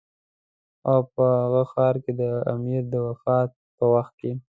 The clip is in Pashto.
او په هغه ښار کې د امیر د وفات په وخت کې.